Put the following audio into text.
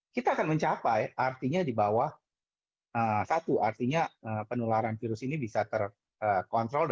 kita akan mencapai artinya di bawah satu artinya penularan virus ini bisa terkontrol